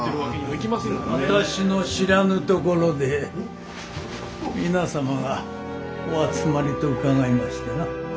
私の知らぬところで皆様がお集まりと伺いましてな。